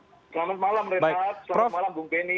selamat malam bung benny